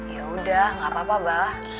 yaudah gak apa apa abah